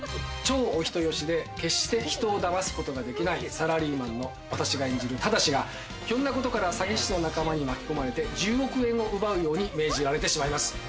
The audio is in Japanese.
超お人よしで決して人を騙すことができないサラリーマンの私が演じる正がひょんなことから詐欺師の仲間に巻き込まれて１０億円を奪いように命じられてしまいます。